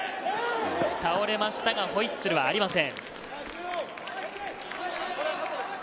倒れましたがホイッスルはありません。